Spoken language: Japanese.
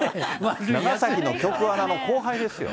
長崎の局アナの後輩ですよ。